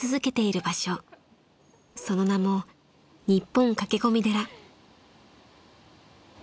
［その名も日本駆け込み寺］